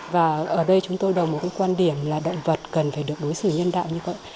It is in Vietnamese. và ở đây chúng tôi đầu một cái quan điểm là động vật cần phải được đối xử nhân đạo như vậy